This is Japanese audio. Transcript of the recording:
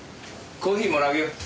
コーヒーもらうよ。